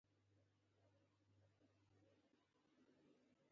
موږ باید په ارزښت او اهمیت یې پوه شو.